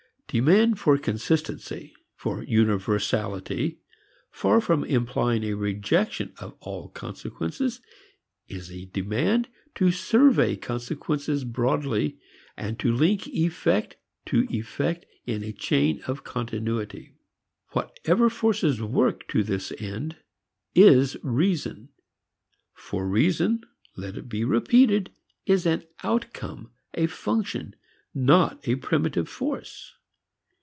Demand for consistency, for "universality," far from implying a rejection of all consequences, is a demand to survey consequences broadly, to link effect to effect in a chain of continuity. Whatever force works to this end is reason. For reason, let it be repeated is an outcome, a function, not a primitive force.